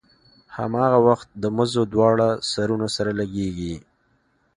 هماغه وخت د مزو دواړه سرونه سره لګېږي.